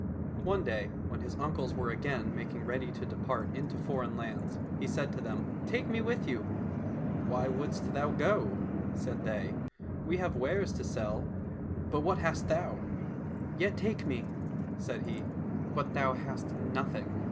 One day, when his uncles were again making ready to depart into foreign lands, he said to them, " Take me with you !"—" Why shouldst thou go ?" said they ;" we have wares to sell, but what hast thou ?"—" Yet take me," said he.—" But thou hast nothing."